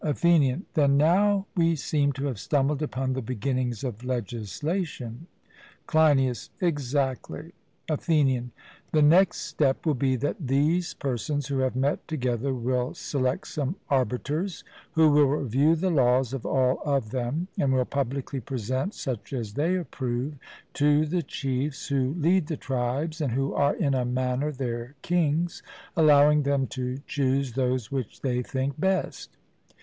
ATHENIAN: Then now we seem to have stumbled upon the beginnings of legislation. CLEINIAS: Exactly. ATHENIAN: The next step will be that these persons who have met together, will select some arbiters, who will review the laws of all of them, and will publicly present such as they approve to the chiefs who lead the tribes, and who are in a manner their kings, allowing them to choose those which they think best.